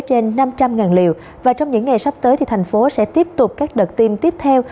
trên năm trăm linh liều và trong những ngày sắp tới thì thành phố sẽ tiếp tục các đợt tiêm tiếp theo